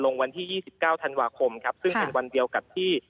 วันที่๒๙ธันวาคมครับซึ่งเป็นวันเดียวกับที่